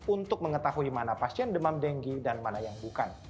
untuk mengetahui mana pasien demam denggi dan mana yang bukan